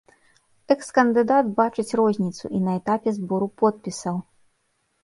Экс-кандыдат бачыць розніцу і на этапе збору подпісаў.